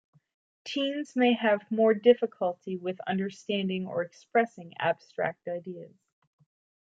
Teens may have more difficulty with understanding or expressing abstract ideas.